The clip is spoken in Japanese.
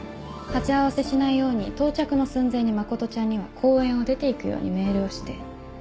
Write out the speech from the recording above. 鉢合わせしないように到着の寸前に真ちゃんには公園を出て行くようにメールをして。